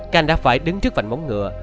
canh đã phải đứng trước vạnh móng ngựa